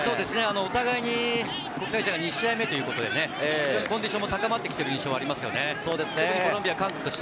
お互いに２試合目ということで、コンディションも高まってきている印象がありますよね。